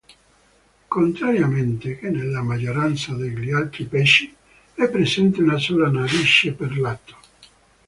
Contrariamente che nella maggioranza degli altri pesci è presente una sola narice per lato.